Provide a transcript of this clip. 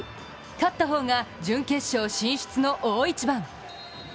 勝った方が準決勝進出の大一番。